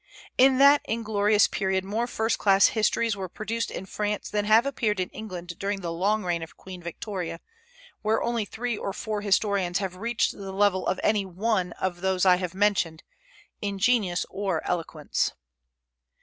In that inglorious period more first class histories were produced in France than have appeared in England during the long reign of Queen Victoria, where only three or four historians have reached the level of any one of those I have mentioned, in genius or eloquence.